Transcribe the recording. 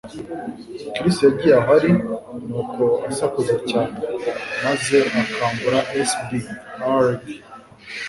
Chris yagiye aho ari, nuko asakuza cyane, maze akangura SB - aargh!